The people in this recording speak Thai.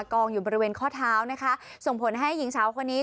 กองอยู่บริเวณข้อเท้านะคะส่งผลให้หญิงสาวคนนี้